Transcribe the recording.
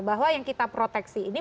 bahwa yang kita proteksi ini